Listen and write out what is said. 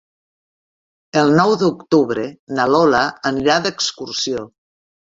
El nou d'octubre na Lola anirà d'excursió.